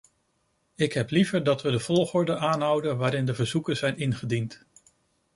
Ik heb liever dat we de volgorde aanhouden waarin de verzoeken zijn ingediend.